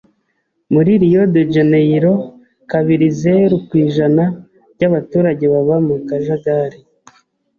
Muri Rio de Janeiro, kabirizeru% by'abaturage baba mu kajagari.